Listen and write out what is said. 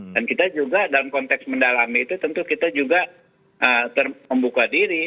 dan kita juga dalam konteks mendalami itu tentu kita juga membuka diri